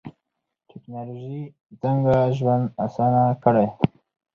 ټکنالوژي څنګه ژوند اسانه کړی؟